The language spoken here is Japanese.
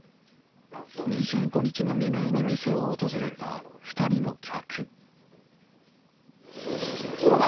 ２５日の未明に店を訪れた２人の客。